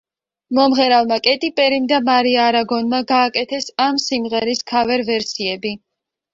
მომღერალმა კეტი პერიმ და მარია არაგონმა გააკეთეს ამ სიმღერის ქავერ ვერსიები.